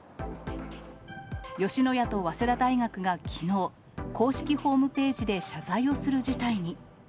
吉野家と早稲田大学がきのう、公式ホームページで謝罪をする事態に。